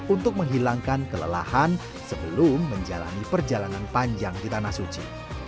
untuk menghilangkan kelelahan sebelum menjalani perjalanan panjang di tanah suci